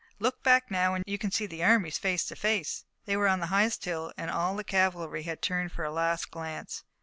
Look back now, and you can see the armies face to face." They were on the highest hill, and all the cavalry had turned for a last glance.